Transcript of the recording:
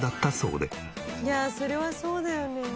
いやそれはそうだよね。